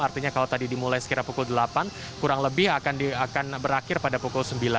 artinya kalau tadi dimulai sekira pukul delapan kurang lebih akan berakhir pada pukul sembilan